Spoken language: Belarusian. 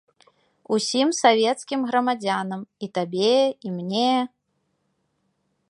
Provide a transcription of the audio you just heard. Усім савецкім грамадзянам, і табе, і мне.